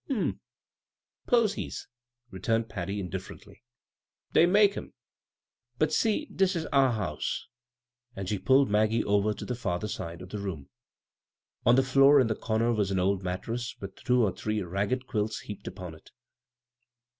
" Hm m ; posies," returned Patty, indlfier ently. "Dey makes 'em. But, see, dis is our house 1 " And she pulled Maggie over to the farther side of the room. On the floor in the comer was an old mat tress with two or three ragged quilts heaped upon it.